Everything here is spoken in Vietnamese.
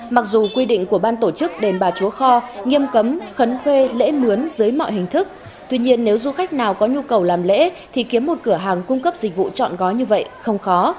mặc dù quy định của ban tổ chức đền bà chúa kho nghiêm cấm khấn thuê lễ mướn dưới mọi hình thức tuy nhiên nếu du khách nào có nhu cầu làm lễ thì kiếm một cửa hàng cung cấp dịch vụ chọn gói như vậy không khó